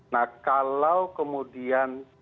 nah kalau kemudian